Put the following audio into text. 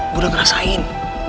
gue udah ngerasain